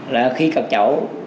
là khi các cháu